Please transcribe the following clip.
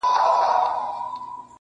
• چي دي و وینم د تورو سترګو جنګ کي..